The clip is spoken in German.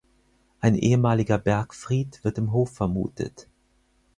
Ein ehemaliger Bergfried wird im Hof vermutet.